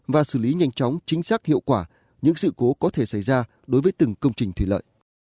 và xử lý nhanh chóng chính xác hiệu quả những sự cố có thể xảy ra đối với từng công trình thủy lợi